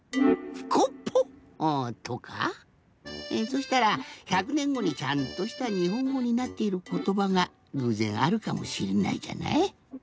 そしたら１００ねんごにちゃんとしたにほんごになっていることばがぐうぜんあるかもしれないじゃない？